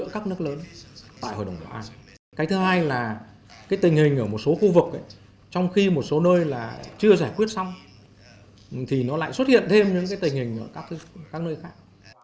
cái thứ hai là cái tình hình ở một số khu vực ấy trong khi một số nơi là chưa giải quyết xong thì nó lại xuất hiện thêm những cái tình hình ở các nơi khác